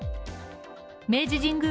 明治神宮